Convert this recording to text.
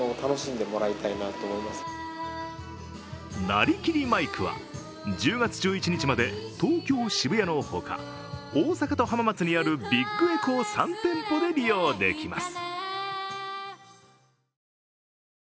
なりきりマイクは１０月１１日まで東京・渋谷のほか大阪と浜松にあるビッグエコー３店舗で利用できます。